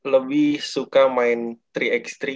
lebih suka main tiga x tiga